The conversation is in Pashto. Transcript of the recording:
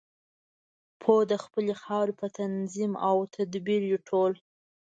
پوه د خپلې خاورې په تنظیم او په تدبیر یو ټول.